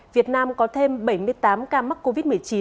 việt nam có thêm bảy mươi tám ca mắc covid một mươi chín